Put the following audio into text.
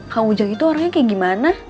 kang ujang itu orangnya kayak gimana